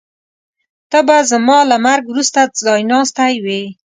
ته به زما له مرګ وروسته ځایناستی وې.